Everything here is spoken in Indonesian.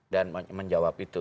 dan menjawab itu